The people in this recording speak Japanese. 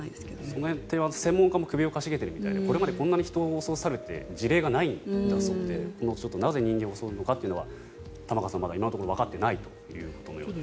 その辺、専門家も首をかしげているみたいでこんなに人を襲う猿って事例がないみたいでなぜ人間を襲うのかというのは玉川さん、まだ今のところわかっていないということです。